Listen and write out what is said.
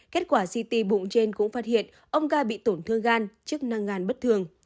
kết quả ct bụng trên cũng phát hiện ông ca bị tổn thương gan chức năng gan bất thường